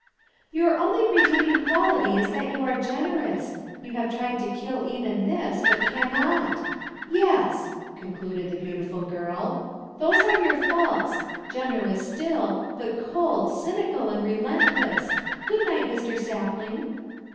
"Your only redeeming quality is that you are generous. You have tried to kill even this, but cannot. Yes," concluded the beautiful girl, "those are your faults, generous still, but cold, cynical, and relentless. Good night, Mr. Sapling."